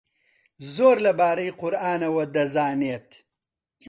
زۆر لەبارەی قورئانەوە دەزانێت.